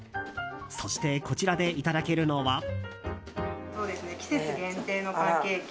そして、こちらでいただけるのは。